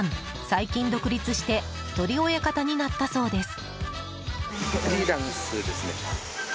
最近、独立して一人親方になったそうです。